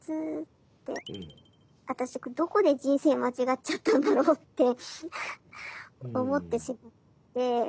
私どこで人生間違っちゃったんだろうって思ってしまって。